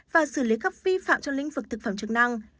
và xử lý các vi phạm trong lĩnh vực thực phẩm chức năng